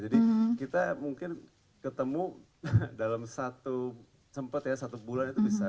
jadi kita mungkin ketemu dalam satu sempet ya satu bulan itu bisa